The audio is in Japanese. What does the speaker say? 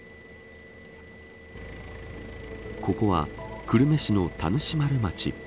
ここは久留米市の田主丸町。